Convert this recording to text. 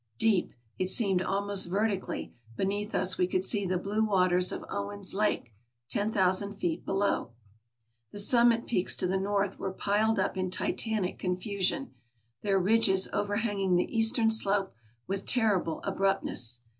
Deep — it seemed almost vertically — beneath us we could see the blue 120 TRAVELERS AND EXPLORERS waters of Owen's Lake, 10,000 feet below. The summit peaks to the north were piled up in titanic confusion, their ridges overhanging the eastern slope with terrible abrupt ness.